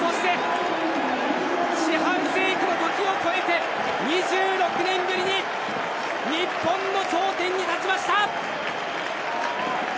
そして、四半世紀の時を超えて２６年ぶりに日本の頂点に立ちました！